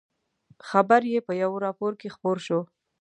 خبر یې په یوه راپور کې خپور شو.